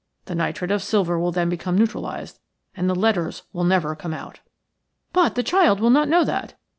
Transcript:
The nitrate of silver will then become neutralized and the letters will never come out." "But the child will not know that.